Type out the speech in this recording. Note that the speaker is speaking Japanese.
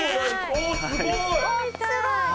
おおすごい。